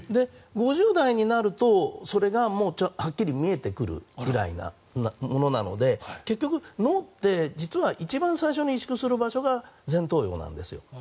５０代になるとそれがはっきり見えてくるぐらいなものなので結局、脳って実は一番最初に萎縮する場所が前頭葉なんです。